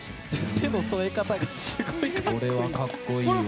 手の添え方がすごい格好いい。